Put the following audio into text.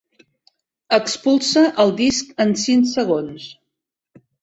Expulsa el disc en cinc segons.